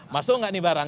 masuk gak nih barang